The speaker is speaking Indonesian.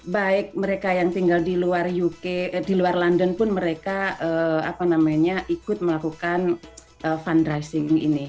baik mereka yang tinggal di luar uk di luar london pun mereka ikut melakukan fundraising ini